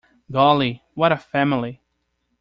Golly, what a family!